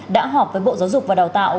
đã họp với bộ giáo dục và đào tạo